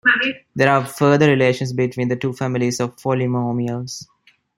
There are further relations between the two families of polynomials.